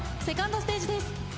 セカンドステージです。